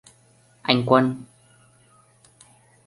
Anh quân